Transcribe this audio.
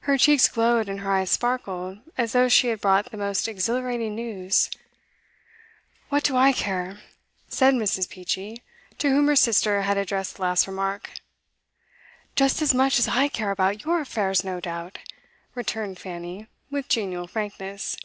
Her cheeks glowed and her eyes sparkled, as though she had brought the most exhilarating news. 'What do I care?' said Mrs. Peachey, to whom her sister had addressed the last remark. 'Just as much as I care about your affairs, no doubt,' returned Fanny, with genial frankness.